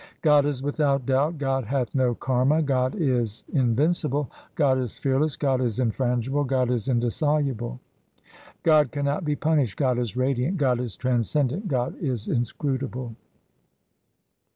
God is without doubt, God hath no karma, God is invincible, God is fearless, God is infrangible, God is indissoluble. God cannot be punished, God is radiant, God is transcendent, God is inscrutable.